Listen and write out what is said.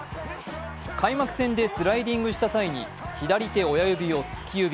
開幕戦でスライディングした際に左手親指を突き指。